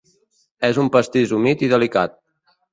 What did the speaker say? És un pastís humit i delicat.